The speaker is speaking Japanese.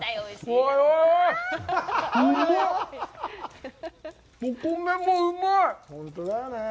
お米もうまい。